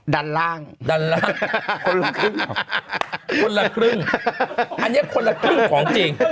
ด้านล่างด้านล่างคนละครึ่งคนละครึ่งอันนี้คนละครึ่งของจริง